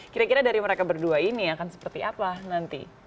kira kira dari mereka berdua ini akan seperti apa nanti